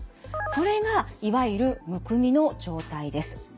それがいわゆるむくみの状態です。